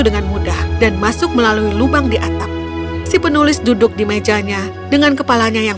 dengan mudah dan masuk melalui lubang di atap si penulis duduk di mejanya dengan kepalanya yang